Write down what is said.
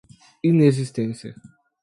inexistência